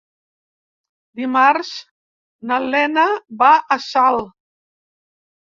Dimarts na Lena va a Salt.